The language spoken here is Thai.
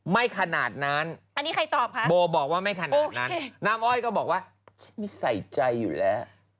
ไม่ขนาดนั้นโบบอกว่าไม่ขนาดนั้นน้ำอ้อยก็บอกว่าฉันไม่ใส่ใจอยู่แล้ว